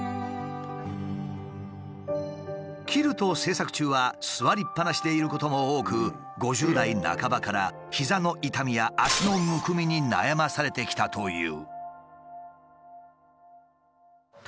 キルト制作中は座りっぱなしでいることも多く５０代半ばから膝の痛みや脚のむくみに悩まされてきたという。